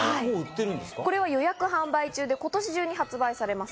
これは予約販売中で、今年中に発売されます。